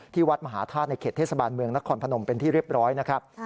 วัดมหาธาตุในเขตเทศบาลเมืองนครพนมเป็นที่เรียบร้อยนะครับ